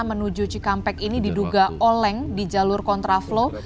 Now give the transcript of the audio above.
menuju cikampek ini diduga oleng di jalur kontraflow